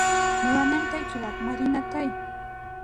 Мыланем тый кӱлат, Марина, тый...